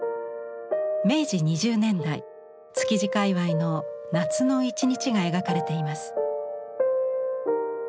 明治２０年代築地界わいの夏の一日が描かれています。